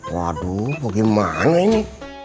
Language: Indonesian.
waduh bagaimana ini